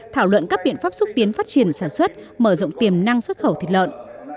thảo luận các biện pháp xúc tiến phát triển sản xuất mở rộng tiềm năng xuất khẩu thịt lợn